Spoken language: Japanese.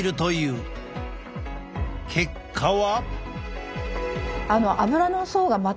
結果は？